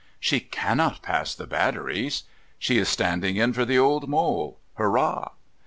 "She cannot pass the batteries!" "She is standing in for the Old Mole! Hurrah!"